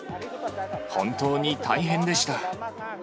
本当に大変でした。